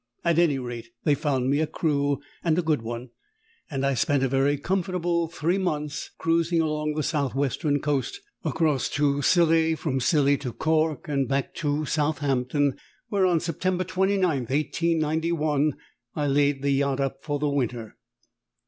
At any rate they found me a crew, and a good one; and I spent a very comfortable three months, cruising along the south western coast, across to Scilly, from Scilly to Cork and back to Southampton, where on September 29, 1891, I laid the yacht up for the winter.